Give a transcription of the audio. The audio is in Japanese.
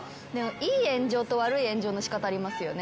いい炎上と悪い炎上の仕方ありますよね。